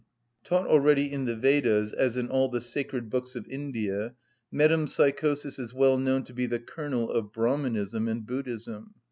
Taught already in the "Vedas," as in all the sacred books of India, metempsychosis is well known to be the kernel of Brahmanism and Buddhism.